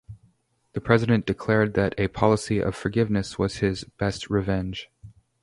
The president declared that a "policy of forgiveness" was his "best revenge".